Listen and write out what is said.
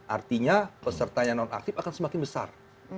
artinya pesertanya non aktif akan semakin besar